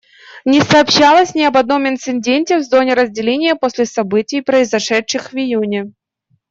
Не сообщалось ни об одном инциденте в зоне разделения после событий, произошедших в июне.